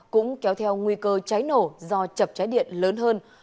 cũng kéo theo nguy cơ cháy nổ do chập cháy điện lớn hơn